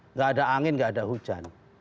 nggak ada angin nggak ada hujan